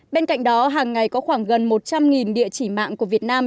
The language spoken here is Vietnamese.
bên cạnh đó hàng ngày có khoảng gần một trăm linh địa chỉ mạng của việt nam